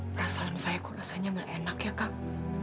perasaan saya kok rasanya gak enak ya kak